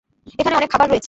এখানে অনেক খাবার রয়েছে।